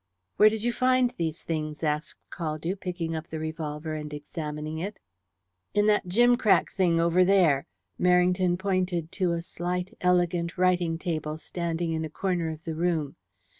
"Where did you find these things?" asked Caldew, picking up the revolver and examining it. "In that gimcrack thing over there." Merrington pointed to a slight, elegant writing table standing in a corner of the room.